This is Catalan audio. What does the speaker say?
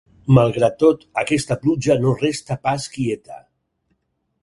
Malgrat tot, aquesta pluja no resta pas quieta.